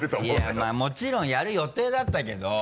まぁもちろんやる予定だったけど。